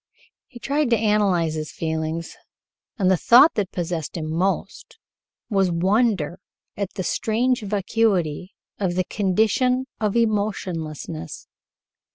He tried to analyze his feelings, and the thought that possessed him most was wonder at the strange vacuity of the condition of emotionlessness.